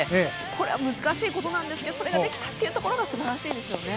これは難しいことなんですがそれができたというところが素晴らしいですよね。